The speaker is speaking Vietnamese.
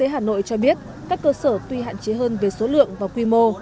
hà nội cho biết các cơ sở tuy hạn chế hơn về số lượng và quy mô